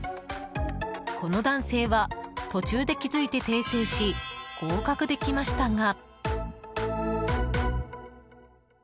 この男性は途中で気づいて訂正し合格できましたが。